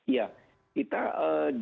ya kita di